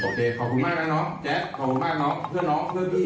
ขอบคุณมากนะน้องแจ๊คขอบคุณมากน้องเพื่อนน้องเพื่อนพี่